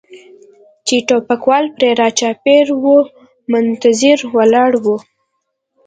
چې ټوپکوال پرې را چاپېر و منتظر ولاړ و.